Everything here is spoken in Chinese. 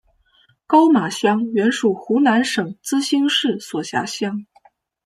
高码乡原属湖南省资兴市所辖乡。